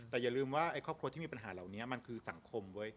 แต่อย่าลืมว่าไอ้ครอบครัวที่มีปัญหาเหล่านี้มันคือสังคมเว้ย